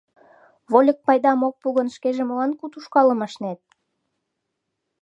— Вольык пайдам ок пу гын, шкеже молан куд ушкалым ашнет?